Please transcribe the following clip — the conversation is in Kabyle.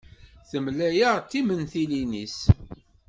Temlaya-ɣ-d timentilin-is.